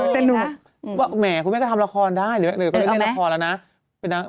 แสนนูเหมาะว่ามใหงงุโมน้อยก็ทำละครได้